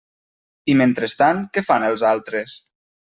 I mentrestant, ¿què fan els altres?